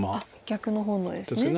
逆の方のですね。